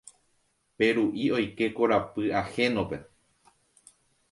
Peru'i oike korapy ahénope.